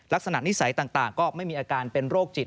ลักษณะนิสัยต่างก็ไม่มีอาการเป็นโรคจิต